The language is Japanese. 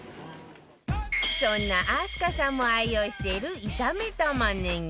そんな明日香さんも愛用している炒めたまねぎ